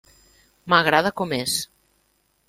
M'agrada com és.